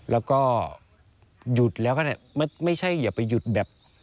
แล้วก็หยุดแล้วก็เนี่ยไม่ใช่อย่าไปหยุดแบบ